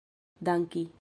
danki